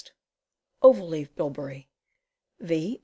Oval leaved Bilberry. V.